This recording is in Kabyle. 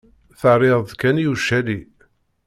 Terriḍ-tt kan i ucali.